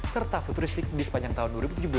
serta futuristik di sepanjang tahun dua ribu tujuh belas